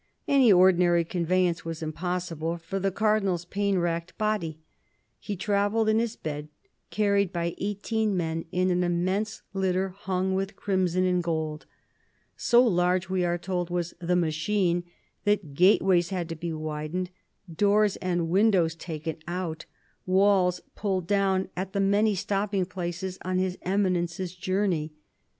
Any ordinary conveyance was impossible for the Cardinal's pain racked body. He travelled in his bed, carried by eighteen men in an immense litter hung with crimson and gold. So large, we are told, was the " machine," that gateways had to be widened, doors and windows taken out, walls pulled down, at the many stopping places on His Eminence's journey.